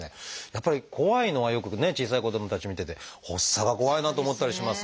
やっぱり怖いのはよくね小さい子どもたちを見てて発作が怖いなと思ったりしますが。